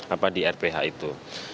apa di rph itu